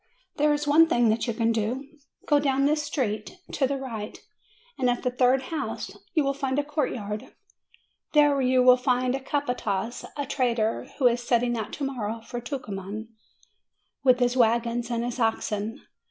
There is one thing that you can do. Go down this street, to the right, and at the third house you will find a courtyard ; there you will find a capataz, a trader, who is setting out to morrow for Tucuman, with his wagons and his oxen.